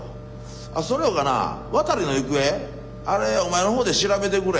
あっそれよかな渡の行方あれお前の方で調べてくれ。